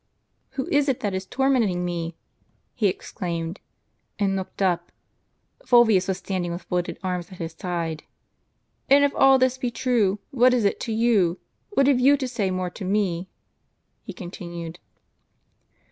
"Who is it that is tormenting me?" he exclaimed, and looked up. Fulvius was standing with folded arms at his side. "And if all this be true, what is it to you? What have you to say more to me? " he continued.